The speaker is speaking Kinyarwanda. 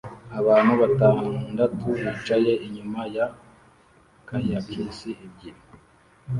Abantu batandatu bicaye inyuma ya kayakis ebyiri